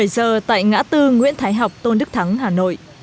một mươi bảy giờ tại ngã tư nguyễn thái học tôn đức thắng hà nội